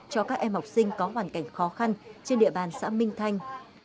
cho các em học sinh có hoàn cảnh khó khăn trên địa bàn xã minh thanh